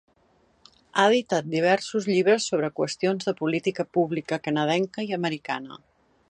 Ha editat diversos llibres sobre qüestions de política pública canadenca i americana.